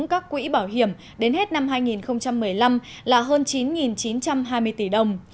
các quỹ bảo hiểm đến hết năm hai nghìn một mươi năm là hơn chín chín trăm hai mươi tỷ đồng